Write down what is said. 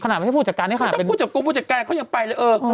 ถ้าพูดจากกรุงผู้จัดการเขายังไปเลย